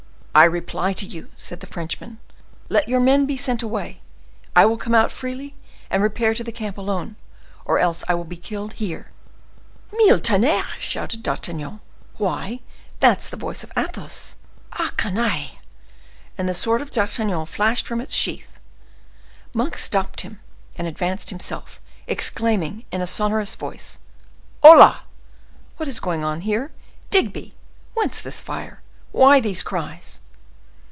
"I reply to you," said the Frenchman. "Let your men be sent away; I will come out freely and repair to the camp alone, or else I will be killed here!" "Mille tonnerres!" shouted D'Artagnan; "why, that's the voice of Athos! Ah canailles!" and the sword of D'Artagnan flashed from its sheath. Monk stopped him and advanced himself, exclaiming, in a sonorous voice: "Hola! what is going on here? Digby, whence this fire? why these cries?"